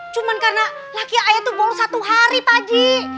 cuma karena laki ayah itu bohong satu hari pak haji